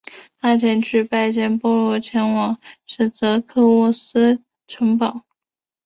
他前去拜见波隆前往史铎克渥斯城堡。